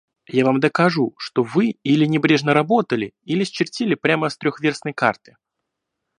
Я вам докажу, что вы или небрежно работали, или счертили прямо с трехвёрстной карты.